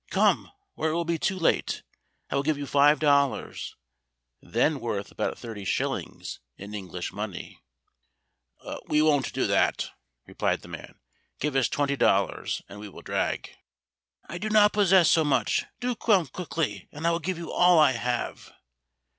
Come, or it will be too late. I will give you five dollars" (then worth about thirty shillings in English money). "We won't do it for that," replied the men. "Give us twenty dollars, and we will drag." "I do not possess so much: do come quickly, and I will give you all I have!"